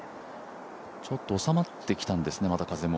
ちょっと収まってきたんですね、また風も。